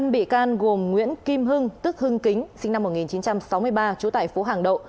năm bị can gồm nguyễn kim hưng tức hưng kính sinh năm một nghìn chín trăm sáu mươi ba trú tại phố hàng đậu